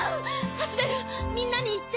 アスベルみんなに言って！